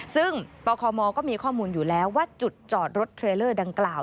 ซึ่งปคมก็มีข้อมูลอยู่แล้วว่าจุดจอดรถเทรลเลอร์ดังกล่าว